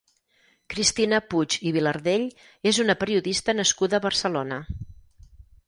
Cristina Puig i Vilardell és una periodista nascuda a Barcelona.